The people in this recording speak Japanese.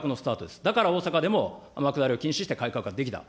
だから大阪でも、天下りを禁止して改革ができた。